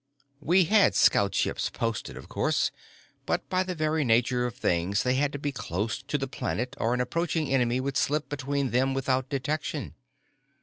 We had scoutships posted, of course, but by the very nature of things they had to be close to the planet or an approaching enemy would slip between them without detection.